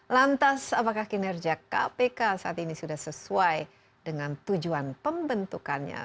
lantas apakah kinerja kpk saat ini sudah sesuai dengan tujuan pembentukannya